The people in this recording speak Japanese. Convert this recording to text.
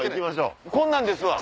こんなんですわ。